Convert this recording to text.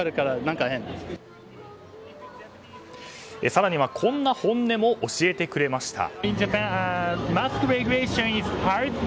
更には、こんな本音も教えてくれました。